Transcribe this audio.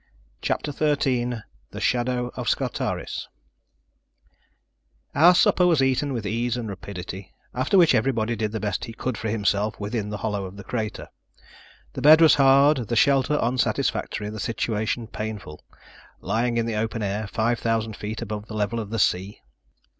CHAPTER 13 THE SHADOW OF SCARTARIS Our supper was eaten with ease and rapidity, after which everybody did the best he could for himself within the hollow of the crater. The bed was hard, the shelter unsatisfactory, the situation painful lying in the open air, five thousand feet above the level of the sea!